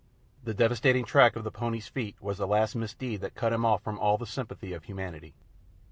The devastating track of the pony's feet was the last misdeed that cut him off from all sympathy of Humanity.